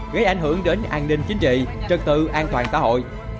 gây ảnh hưởng đến an ninh chính trị trật tự an toàn xã hội